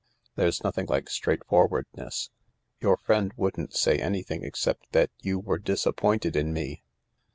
There's nothing like straightforwardness* Your friend wouldn't say anything except that you were disappointed in me."